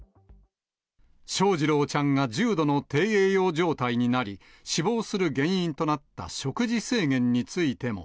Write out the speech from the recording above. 翔士郎ちゃんが重度の低栄養状態になり、死亡する原因となった食事制限についても。